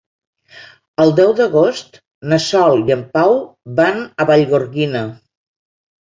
El deu d'agost na Sol i en Pau van a Vallgorguina.